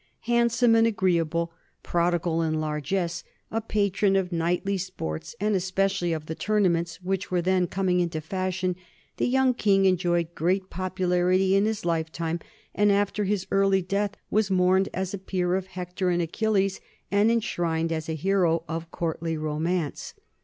Handsome and agreeable, prodigal in largesse, a patron of knightly sports and especially of the tourna ments which were then coming into fashion, the Young King enjoyed great popularity in his lifetime and after his early death was mourned as a peer of Hector and Achilles and enshrined as a hero of courtly romance.